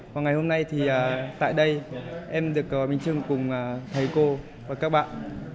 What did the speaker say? và ngày hôm nay thì tại đây em được gọi bánh trưng cùng thầy cô và các bạn